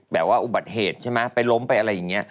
อุบัติเหตุใช่ไหมไปล้มไปอะไรอย่างนี้